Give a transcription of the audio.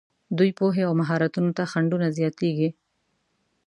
دوی پوهې او مهارتونو ته خنډونه زیاتېږي.